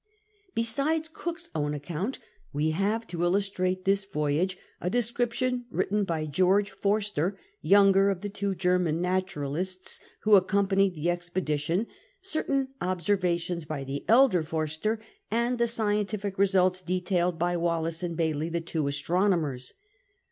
Besides (book's own account, wo liave to illustrate this voyage a description written by George Forster, younger of the two German naturalists who accom])anied the expedition, certain " observations by the elder Forster, and the scientific results detailed by Wallis and Bayley, the two astronomers.